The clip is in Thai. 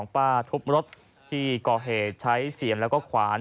ป้าทุบรถที่ก่อเหตุใช้เสียมแล้วก็ขวาน